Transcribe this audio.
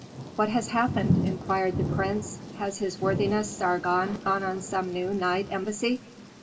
"What has happened?" inquired the prince. "Has his worthiness Sargon gone on some new night embassy?"